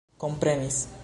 komprenis